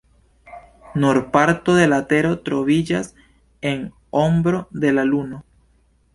Nur parto de la tero troviĝas en ombro de la luno.